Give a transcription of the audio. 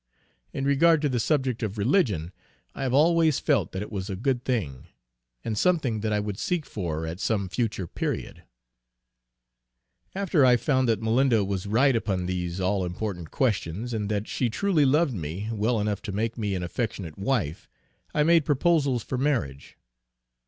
In regard to the subject of Religion, I have always felt that it was a good thing, and something that I would seek for at some future period." After I found that Malinda was right upon these all important questions, and that she truly loved me well enough to make me an affectionate wife, I made proposals for marriage.